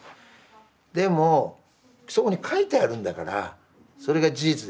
でもそこに描いてあるんだからそれが事実ですよね。